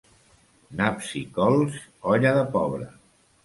Naps i cols, olla de pobre.